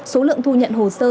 số lượng thu nhận hồ sơ